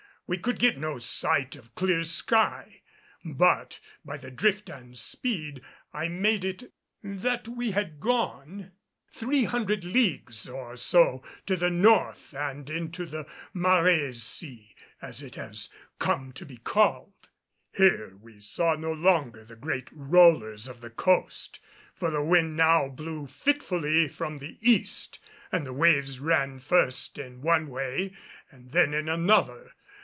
We could get no sight of clear sky; but by the drift and speed I made it that we had gone three hundred leagues or so to the north and into the Mares' sea, as it has come to be called. Here we saw no longer the great rollers of the coast, for the wind now blew fitfully from the east and the waves ran first in one way and then in another.